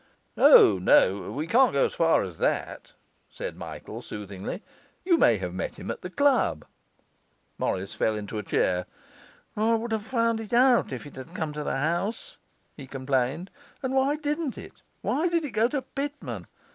'O no, we can't go as far as that,' said Michael soothingly; 'you may have met him at the club.' Morris fell into a chair. 'I would have found it out if it had come to the house,' he complained. 'And why didn't it? why did it go to Pitman?